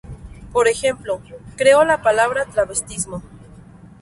Por ejemplo, creó la palabra "travestismo".